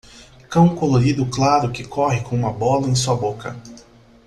Cão colorido claro que corre com uma bola em sua boca.